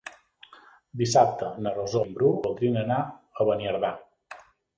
Dissabte na Rosó i en Bru voldrien anar a Beniardà.